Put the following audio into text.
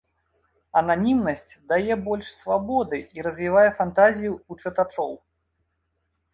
Ананімнасць дае больш свабоды і развівае фантазію ў чытачоў.